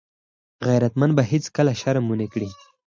غیرتمند به هېڅکله شرم ونه کړي